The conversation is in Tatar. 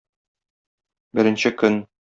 Беренче көн.